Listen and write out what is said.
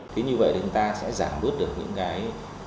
thế như vậy thì chúng ta sẽ giảm bớt được những cái